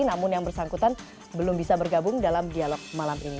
namun yang bersangkutan belum bisa bergabung dalam dialog malam ini